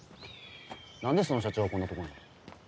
何でその社長はこんなとこに？